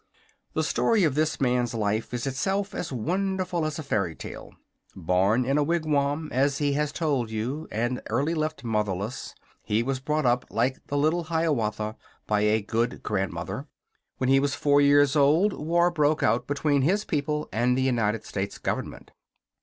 The story of this man's life is itself as wonderful as a fairy tale. Born in a wigwam, as he has told you, and early left motherless, he was brought up, like the little Hiawatha, by a good grandmother. When he was four years old, war broke out between his people and the United States government.